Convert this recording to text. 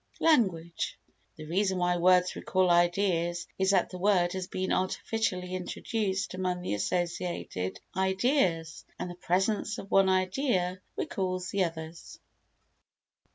Language The reason why words recall ideas is that the word has been artificially introduced among the associated ideas, and the presence of one idea recalls the others.